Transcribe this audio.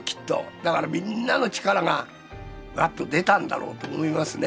だからみんなの力がワッと出たんだろうと思いますね。